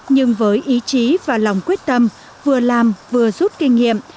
nhưng với ý chí và lòng quyết tâm vừa làm vừa rút kinh nghiệm